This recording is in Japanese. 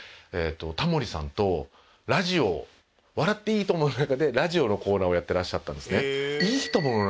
タモリさんとラジオ『笑っていいとも！』の中でラジオのコーナーをやっていらっしゃったんですね。